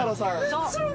そう。